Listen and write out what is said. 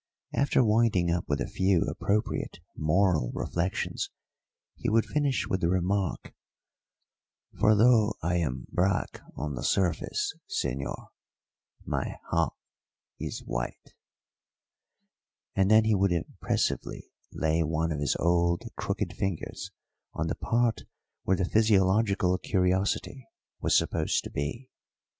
After winding up with a few appropriate moral reflections he would finish with the remark: "For though I am black on the surface, señor, my heart is white"; and then he would impressively lay one of his old crooked fingers on the part where the physiological curiosity was supposed to be.